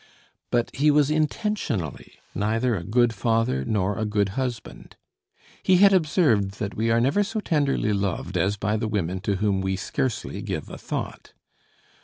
But he was intentionally neither a good father nor a good husband. He had observed that we are never so tenderly loved as by the women to whom we scarcely give a thought.